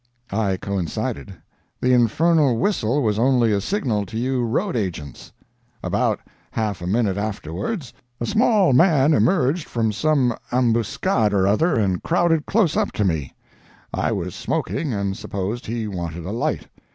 I coincided. The infernal whistle was only a signal to you road agents. About half a minute afterwards, a small man emerged from some ambuscade or other and crowded close up to me. I was smoking and supposed he wanted a light.